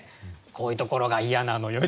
「こういうところが嫌なのよ」